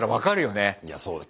いやそうね。